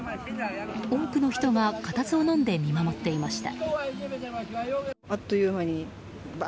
多くの人が固唾をのんで見守っていました。